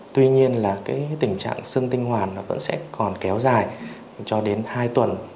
tuy nhiên là tình trạng sưng tinh hoàn vẫn sẽ còn kéo dài cho đến hai tuần